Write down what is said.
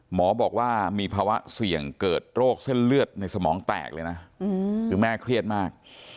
หมอบอกว่ามีภาวะเสี่ยงเกิดโรคเส้นเลือดในสมองแตกเลยนะคือแม่เครียดมาก